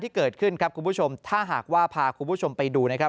ที่เกิดขึ้นครับคุณผู้ชมถ้าหากว่าพาคุณผู้ชมไปดูนะครับ